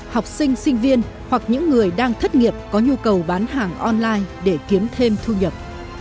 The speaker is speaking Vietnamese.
học sinh sinh viên hoặc những người đang thất nghiệp có nhu cầu bán hàng online để kiếm thêm thu nhập